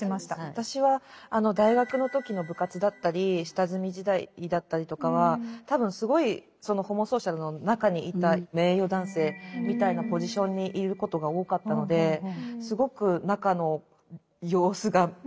私は大学の時の部活だったり下積み時代だったりとかは多分すごいホモソーシャルの中にいた名誉男性みたいなポジションにいることが多かったのですごく中の様子が手にとるように分かる。